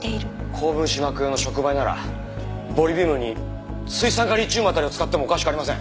高分子膜用の触媒ならボリビウムに水酸化リチウム辺りを使ってもおかしくありません。